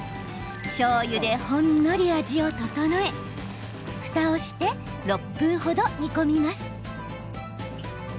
しょうゆで、ほんのり味を調えふたをして６分程、煮込みます。